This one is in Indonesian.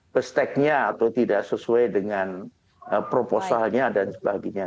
besteknya atau tidak sesuai dengan proposalnya dan sebagainya